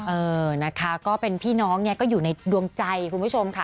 เออนะคะก็เป็นพี่น้องไงก็อยู่ในดวงใจคุณผู้ชมค่ะ